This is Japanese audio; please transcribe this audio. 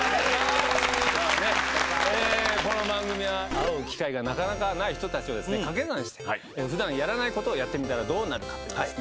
この番組は会う機会がなかなかない人達をですねかけ算して普段やらないことをやってみたらどうなるかというですね